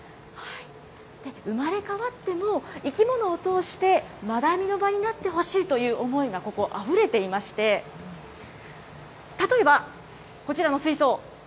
生まれ変わっても、生き物を通して、学びの場になってほしいという思いがここ、あふれていまして、例えば、こちらの水槽。